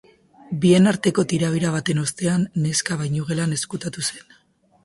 Bien arteko tirabira baten ostean, neska bainugelan ezkutatu zen.